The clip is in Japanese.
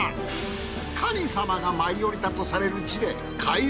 神様が舞い降りたとされる地で開運。